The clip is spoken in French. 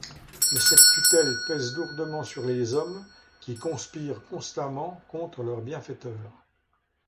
Mais cette tutelle pèse lourdement sur les hommes, qui conspirent constamment contre leur bienfaiteur.